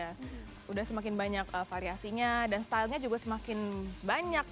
sudah semakin banyak variasinya dan stylenya juga semakin banyak